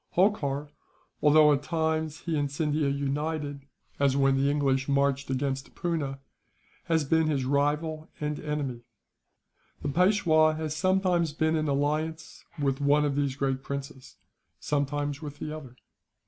Holkar, although at times he and Scindia united, as when the English marched against Poona, has been his rival and enemy. "The Peishwa has sometimes been in alliance with one of these great princes, sometimes with the other.